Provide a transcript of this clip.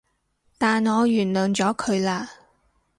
但我原諒咗佢喇